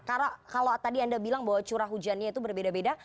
karena kalau tadi anda bilang bahwa curah hujannya itu berbeda beda